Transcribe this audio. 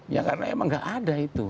ya karena emang nggak ada itu